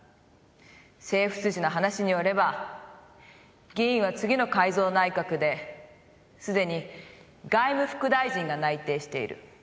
「政府筋の話によれば議員は次の改造内閣ですでに外務副大臣が内定している」。